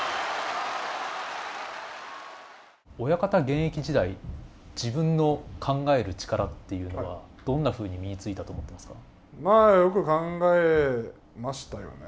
親方現役時代自分の考える力っていうのはどんなふうに身についたと思ってますか？